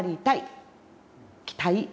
期待。